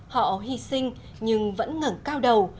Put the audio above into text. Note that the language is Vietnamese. họ hy sinh nhưng vẫn ngẩn cao đầu